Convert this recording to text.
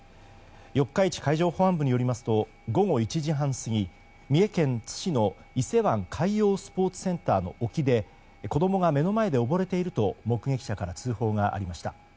四日市海上保安部によりますと午後１時半過ぎ三重県津市の伊勢湾海洋スポーツセンター沖で子供が目の前で溺れていると目撃者から通報がありました。